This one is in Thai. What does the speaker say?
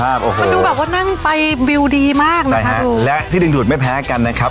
มันดูแบบว่านั่งไปวิวดีมากนะฮะและที่ดึงดูดไม่แพ้กันนะครับ